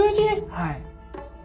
はい。